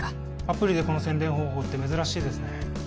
アプリでこの宣伝方法って珍しいですね